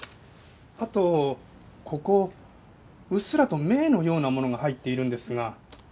あとここうっすらと銘のようなものが入っているんですが。